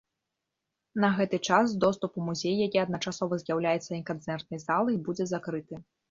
На гэты час доступ у музей, які адначасова з'яўляецца і канцэртнай залай, будзе закрыты.